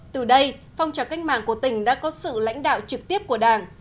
từ đây phong trào cách mạng của tỉnh đã có sự lãnh đạo trực tiếp của đảng